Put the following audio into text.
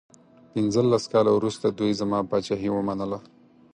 پنځلس کاله وروسته دوی زما پاچهي ومنله.